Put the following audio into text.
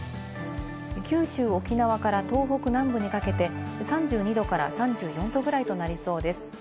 九州・沖縄から東北南部にかけて３２度から３４度ぐらいとなりそうです。